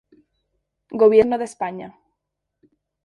Gobierno de España.